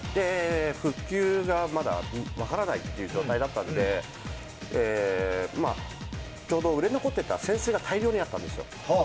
復旧がまだ分からない状態だったのでちょうど売れ残ってた扇子が大量にあったんですよ。